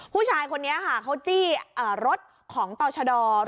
ผู้ชายคนนี้ค่ะเขาจี้รถของต่อชะดอ